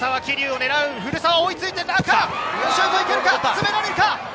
詰められるか！